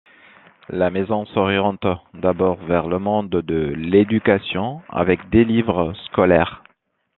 La maison s'oriente d'abord vers le monde de l'éducation avec des livres scolaires.